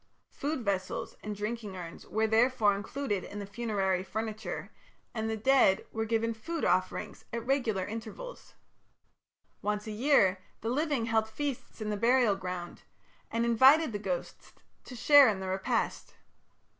Food vessels and drinking urns were therefore included in the funerary furniture, and the dead were given food offerings at regular intervals. Once a year the living held feasts in the burial ground, and invited the ghosts to share in the repast.